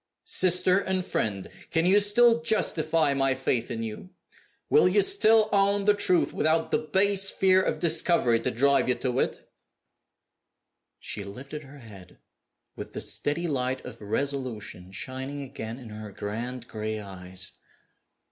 Sister and friend! can you still justify my faith in you? Will you still own the truth, without the base fear of discovery to drive you to it?" She lifted her head, with the steady light of resolution shining again in her grand, gray eyes.